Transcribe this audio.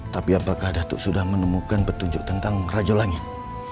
tapi apakah datuk sudah menemukan petunjuk tentang raja langit